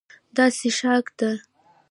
دا څښاک ده.